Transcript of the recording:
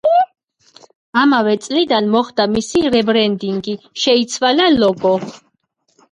ამავე წლიდან მოხდა მისი რებრენდინგი, შეიცვალა ლოგო.